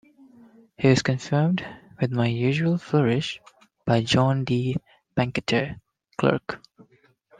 It was confirmed "with my usual flourish" by John de Banketre, Clerk.